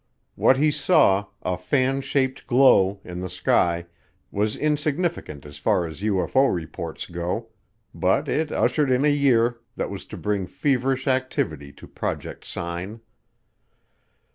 What he saw, "a fan shaped glow" in the sky, was insignificant as far as UFO reports go, but it ushered in a year that was to bring feverish activity to Project Sign.